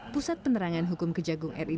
pusat penerangan hukum kejagung ri berhati hati